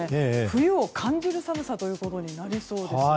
冬を感じる寒さということになりそうです。